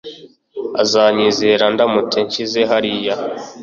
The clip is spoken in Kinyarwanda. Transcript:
Uzanyizera ndamutse nshyize hariya